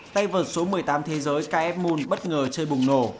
tay vợt số một mươi tám thế giới ks moon bất ngờ chơi bùng nổ